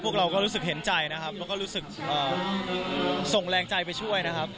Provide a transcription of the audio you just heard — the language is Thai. เราก็รู้สึกเห็นใจนะครับแล้วก็รู้สึกส่งแรงใจไปช่วยนะครับ